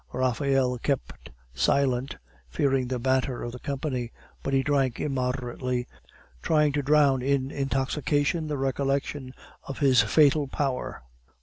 Raphael kept silent, fearing the banter of the company; but he drank immoderately, trying to drown in intoxication the recollection of his fatal power.